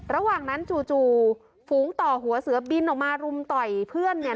ระหว่างนั้นจู่ฝูงต่อหัวเสือบินออกมารุมต่อยเพื่อนเนี่ย